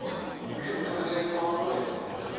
でもそれで変わらないですもんね。